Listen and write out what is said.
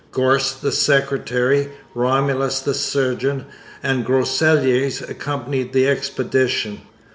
Gorst the secretary, Romulus the surgeon, and Groseilliers accompanied the expedition.